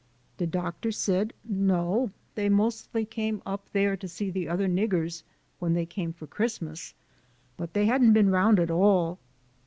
The Doctor said, " No, they mostly came up there to see the other niggers when they came for Christ mas, but they hadn't been round at all.